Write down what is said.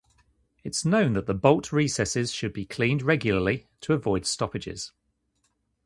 It is known that the bolt recesses should be cleaned regularly to avoid stoppages.